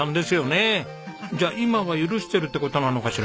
じゃあ今は許してるって事なのかしら？